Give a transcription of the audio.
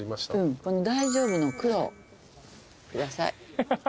この大丈夫の黒下さい。